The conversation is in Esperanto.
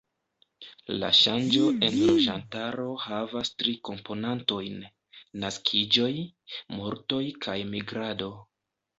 La ŝanĝo en loĝantaro havas tri komponantojn: naskiĝoj, mortoj kaj migrado.